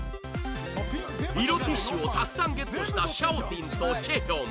色ティッシュをたくさんゲットしたシャオティンとチェヒョン